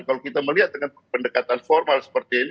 kalau kita melihat dengan pendekatan formal seperti ini